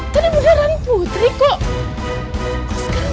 tadi beneran putri kok